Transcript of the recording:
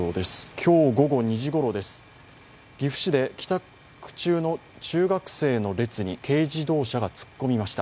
今日午後２時ごろです、岐阜市で帰宅中の中学生の列に軽自動車が突っ込みました。